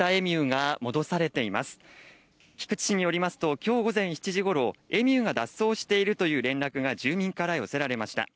菊池市によりますときょう午前７時ごろ、エミューが脱走しているという連絡が住民から寄せられました。